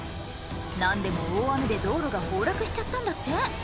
何でも大雨で道路が崩落しちゃったんだって